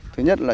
thứ nhất là